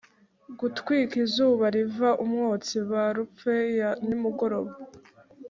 Gutwika izuba riva umwotsi parufe ya nimugoroba